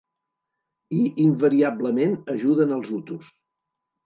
I invariablement ajuden als hutus.